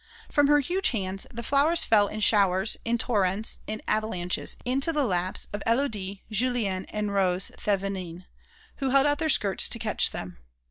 From her huge hands the flowers fell in showers, in torrents, in avalanches, into the laps of Élodie, Julienne, and Rose Thévenin, who held out their skirts to catch them.